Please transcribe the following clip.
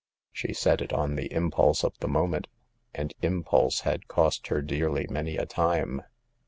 She said it on the impulse of the moment ; and impulse had cost her dearly many a time.